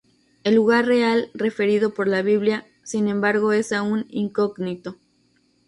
El lugar real referido por la Biblia, sin embargo, es aún incógnito.